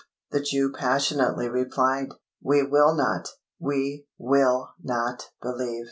The Jew passionately replied, "We will not, we will not believe."